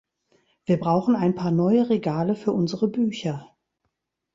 Wir brauchen ein paar neue Regale für unsere Bücher.